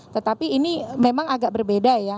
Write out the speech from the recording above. tetapi ini memang agak berbeda ya